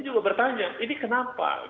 juga bertanya ini kenapa